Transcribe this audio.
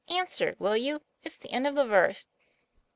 "Answer, will you it's the end of the verse."